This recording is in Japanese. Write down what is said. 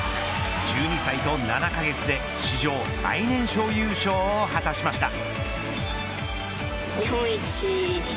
１２歳と７カ月で史上最年少優勝を果たしました。